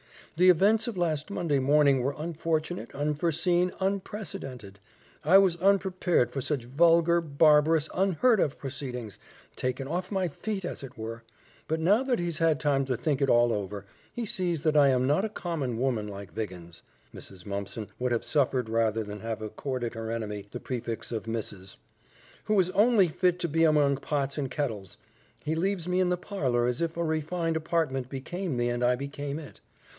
"The events of last Monday morning were unfortunate, unforeseen, unprecedented. I was unprepared for such vulgar, barbarous, unheard of proceedings taken off my feet, as it were; but now that he's had time to think it all over, he sees that I am not a common woman like Viggins," Mrs. Mumpson would have suffered rather than have accorded her enemy the prefix of Mrs., "who is only fit to be among pots and kettles. He leaves me in the parlor as if a refined apartment became me and I became it.